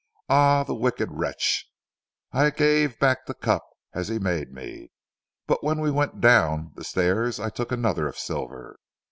Ah the wicked wretch. I gave back the cup, as he made me. But when we went down the stairs I took another of silver.